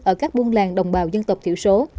ở các buôn làng đồng bào dân tộc thiểu số